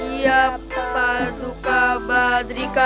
tiap paduka badrika